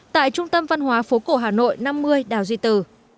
tại trung tâm văn hóa phố cổ hà nội năm mươi đào duy từ